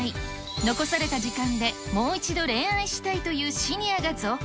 残された時間で、もう一度恋愛したいというシニアが増加。